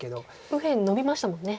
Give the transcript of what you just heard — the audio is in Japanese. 右辺ノビましたもんね